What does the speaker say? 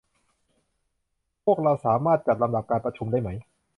พวกเราสามารถจัดลำดับการประชุมได้ไหม